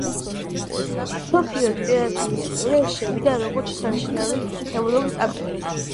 მსოფლიო ლიტერატურის ისტორიაში შევიდა როგორც შესანიშნავი ნოველების ავტორი.